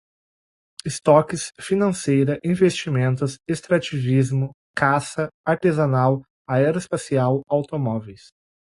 estoques, financeira, investimentos, extrativismo, caça, artesanal, aeroespacial, automóveis